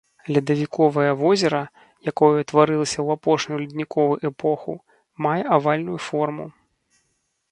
Ледавіковае возера, якое ўтварылася ў апошнюю ледніковы эпоху, мае авальную форму.